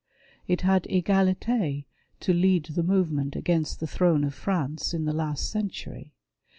It had Egalite to lead the movement against the throne of France in the last century.